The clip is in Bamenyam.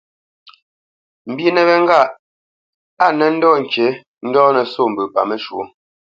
Mbínə wé ŋgâʼ á nə́ ndə̂ ŋkǐ ndo nə́ sô mbə paməshwɔ̌.